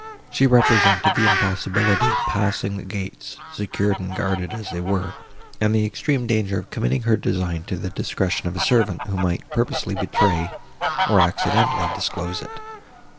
She represented the impossibility of passing the gates, secured and guarded as they were, and the extreme danger of committing her design to the discretion of a servant, who might either purposely betray, or accidentally disclose it.